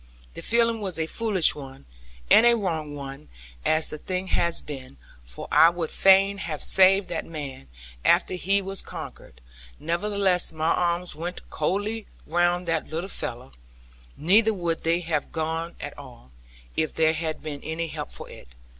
The feeling was a foolish one, and a wrong one, as the thing has been for I would fain have saved that man, after he was conquered nevertheless my arms went coldly round that little fellow; neither would they have gone at all, if there had been any help for it.